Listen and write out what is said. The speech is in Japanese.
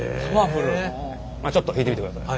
ちょっと弾いてみてください。